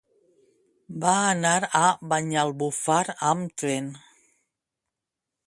Va anar a Banyalbufar amb tren.